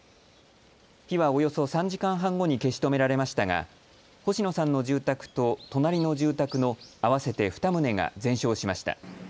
火はおよそ３時間半後に消し止められましたが星野さんの住宅と隣の住宅の合わせて２棟が全焼しました。